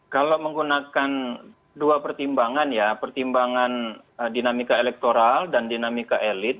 kalau menggunakan dua pertimbangan ya pertimbangan dinamika elektoral dan dinamika elit